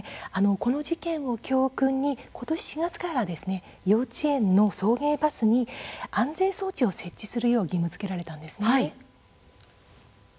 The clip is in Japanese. この事件を教訓に今年４月から幼稚園などの送迎バスに安全装置を設置するよう義務づけられたんです。